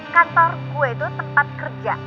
kantor gue itu tempat kerja